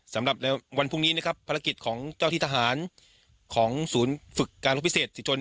สำหรับวันพรุ่งนี้ภารกิจของเจ้าที่ทหารฝึกการรกพิเศษศรีชน